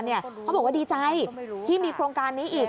เขาบอกว่าดีใจที่มีโครงการนี้อีก